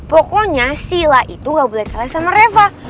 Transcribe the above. pokoknya sih lah itu gak boleh kalah sama reva